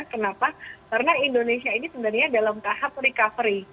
kenapa karena indonesia ini sebenarnya dalam tahap recovery